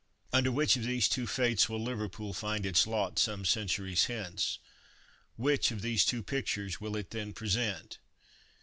Under which of these two fates will Liverpool find its lot some centuries hence? which of these two pictures will it then present?